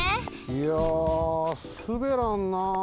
いやすべらんな。